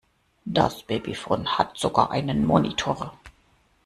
Das Babyphone hat sogar einen Monitor.